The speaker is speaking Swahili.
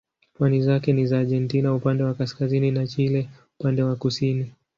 Pwani zake ni za Argentina upande wa kaskazini na Chile upande wa kusini.